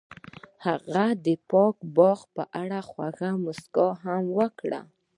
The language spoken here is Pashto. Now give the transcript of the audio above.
هغې د پاک باغ په اړه خوږه موسکا هم وکړه.